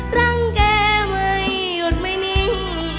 รังแกไม่หยุดไม่นิ่ง